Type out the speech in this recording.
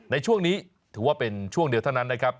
ในช่วงนี้ถือว่าเป็นช่วงเดียวเท่านั้นนะครับ